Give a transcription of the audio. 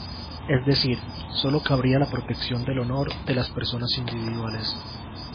Es decir, sólo cabría la protección del honor de las personas individuales.